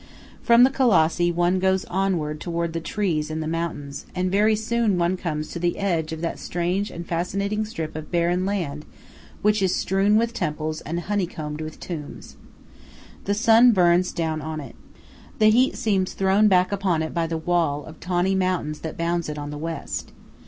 From the Colossi one goes onward toward the trees and the mountains, and very soon one comes to the edge of that strange and fascinating strip of barren land which is strewn with temples and honeycombed with tombs. The sun burns down on it. The heat seems thrown back upon it by the wall of tawny mountains that bounds it on the west.